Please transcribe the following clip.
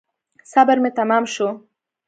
صبر مي تمام شو .